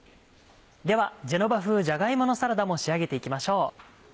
ではジェノバ風じゃが芋のサラダも仕上げて行きましょう。